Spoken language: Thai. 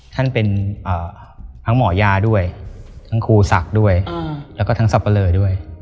ท่านเป็นทั้งหมอยาด้วยทั้งครูศักดิ์ด้วยแล้วก็ทั้งสับปะเลอด้วย